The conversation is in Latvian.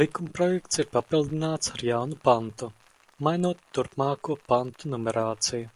Likumprojekts ir papildināts ar jaunu pantu, mainot turpmāko pantu numerāciju.